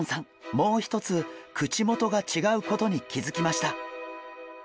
もう一つ口元が違うことに気付きました。